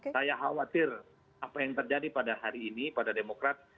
saya khawatir apa yang terjadi pada hari ini pada demokrat